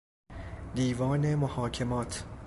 دیوان محاکمات